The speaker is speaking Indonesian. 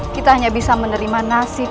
kita hanya bisa menerima nasib